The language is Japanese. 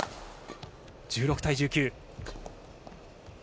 １６対１９。